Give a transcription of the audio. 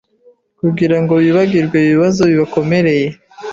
kugirango bibagirwe ibibazo bibakomereye